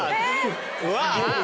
うわ！